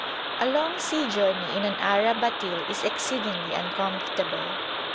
A long sea journey in an Arab batil is exceedingly uncomfortable.